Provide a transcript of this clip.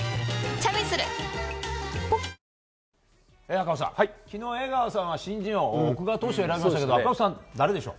赤星さん、昨日江川さんは新人王に奥川投手を選びましたが赤星さんはどうでしょう。